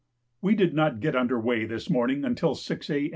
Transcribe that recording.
We did not get under weigh this morning until 6 A.